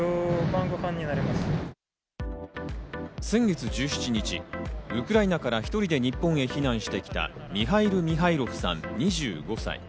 先月１７日、ウクライナから１人で日本へ避難してきたミハイル・ミハイロフさん、２５歳。